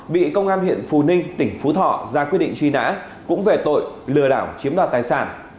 bị công an huyện phù ninh tỉnh phú thọ ra quyết định truy nã cũng về tội lừa đảo chiếm đoạt tài sản